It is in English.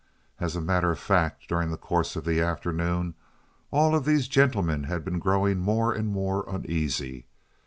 As a matter of fact, during the course of the afternoon all of these gentlemen had been growing more and more uneasy.